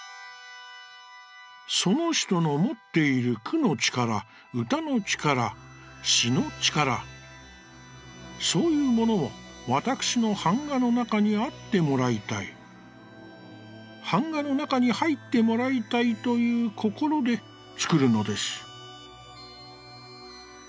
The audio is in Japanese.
「その人のもっている句の力、歌の力、詩の力、そういうものを、わたくしの板画の中にあってもらいたい、板画の中に入ってもらいたいという心でつくるのです」。